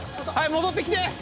戻ってきて。